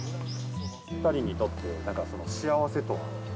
２人にとってなんか幸せとは？